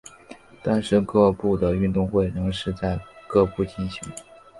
但是各部的运动会仍是在各部进行。